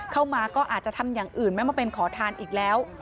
เข้ามาก็อาจจะทำอย่างอื่นไม่มาเป็นขอทานอีกแล้ว